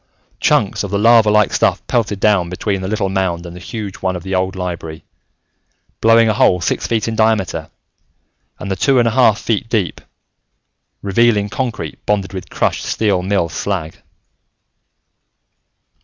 Chunks of the lava like stuff pelted down between the little mound and the huge one of the old library, blowing a hole six feet in diameter and the two and a half feet deep, revealing concrete bonded with crushed steel mill slag.